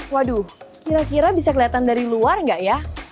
waduh kira kira bisa kelihatan dari luar nggak ya